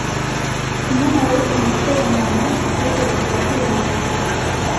Umumarayika muto wa mama yoherejwe avuye mwijuru ...